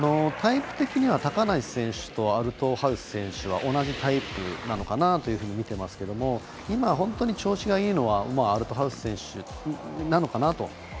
タイプ的には高梨選手とアルトハウス選手は同じタイプなのかなというふうに見ていますけれども今、本当に調子がいいのはアルトハウス選手なのかなと。